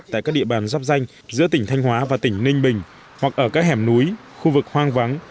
tại các địa bàn dắp danh giữa tỉnh thanh hóa và tỉnh ninh bình hoặc ở các hẻm núi khu vực hoang vắng